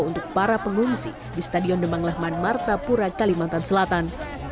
untuk para pengungsi di stadion demang lahman martapura kalimantan selatan